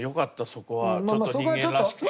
そこはちょっと人間らしくて。